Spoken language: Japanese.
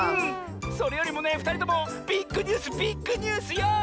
それよりもねふたりともビッグニュースビッグニュースよ！